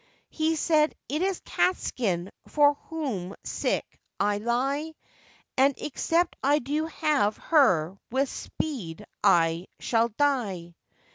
He said, 'It is Catskin for whom sick I lie, And except I do have her with speed I shall die.